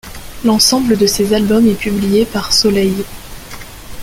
L'ensemble de ces albums est publié par Soleil.